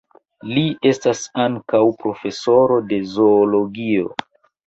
Li estas ankaŭ profesoro de zoologio.